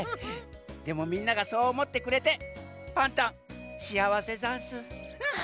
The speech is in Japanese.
でもみんながそうおもってくれてパンタンしあわせざんす。